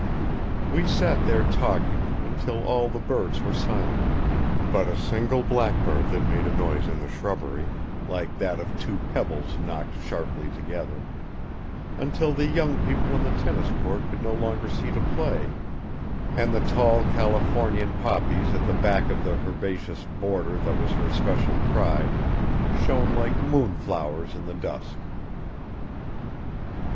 We sat there talking until all the birds were silent, but a single blackbird that made a noise in the shrubbery like that of two pebbles knocked sharply together; until the young people on the tennis court could no longer see to play, and the tall Californian poppies at the back of the herbaceous border that was her special pride shone like moon flowers in the dusk.